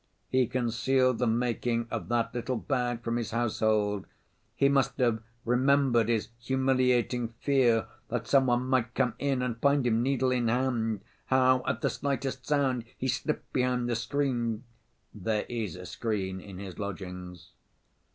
He concealed the making of that little bag from his household, he must have remembered his humiliating fear that some one might come in and find him needle in hand, how at the slightest sound he slipped behind the screen (there is a screen in his lodgings).